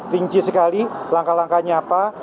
rinci sekali langkah langkahnya apa